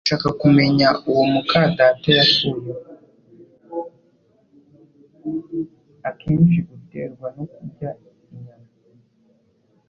akenshi guterwa no kurya inyama,